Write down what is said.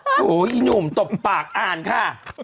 โอ้โหอีหนุ่มตบปากอ่านค่ะ